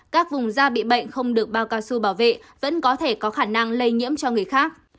các vùng da bị bệnh không được bao cao su bảo vệ vẫn có thể có khả năng lây nhiễm cho người khác